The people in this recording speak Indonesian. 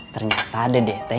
ternyata dedek teh